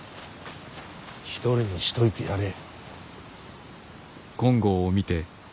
一人にしといてやれ。